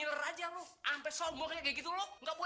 ah masa gue berdusa sih kepadamu mak